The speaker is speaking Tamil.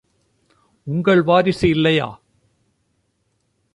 உங்கள் வாரிசு இல்லையா?